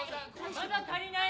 まだ足りなーい。